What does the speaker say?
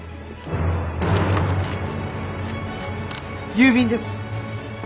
郵便です。